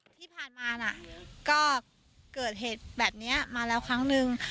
ที่ผ่านมาน่ะก็เกิดเหตุแบบนี้มาแล้วครั้งนึง